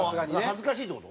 恥ずかしいって事？